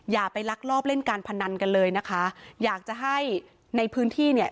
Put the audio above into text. อย่าไปลักลอบเล่นการพนันกันเลยนะคะอยากจะให้ในพื้นที่เนี่ย